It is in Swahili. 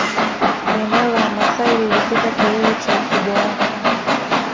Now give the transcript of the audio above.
Eneo la Wamasai lilifika kilele cha ukubwa wake